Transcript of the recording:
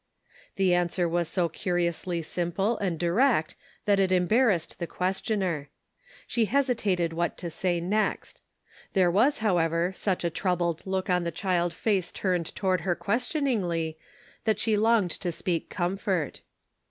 The answer was so curiously simple and direct that it embarrassed the questioner. She hesitated what to say next. There was, how ever, such a troubled look on the child face turned toward her questioningly that she longed to speak comfort.